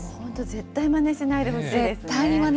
絶対まねしないでほしいですね。